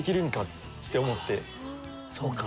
そうか。